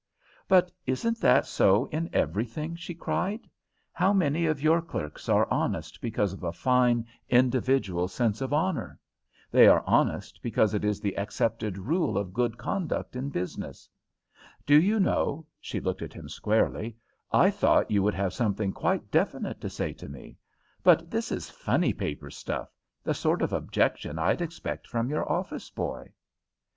"But isn't that so in everything?" she cried. "How many of your clerks are honest because of a fine, individual sense of honour? They are honest because it is the accepted rule of good conduct in business. Do you know" she looked at him squarely "I thought you would have something quite definite to say to me; but this is funny paper stuff, the sort of objection I'd expect from your office boy."